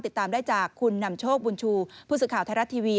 ติดตามได้จากคุณนำโชคบุญชูผู้สื่อข่าวไทยรัฐทีวี